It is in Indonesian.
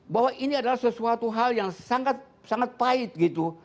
bahwa ini adalah sesuatu hal yang sangat pahit gitu